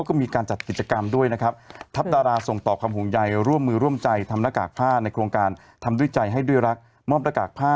ถูกไหมคะก็ประมาณสิบสี่วัน